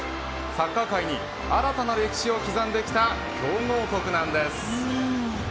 サッカー界に新たな歴史を刻んできた強豪国なんです。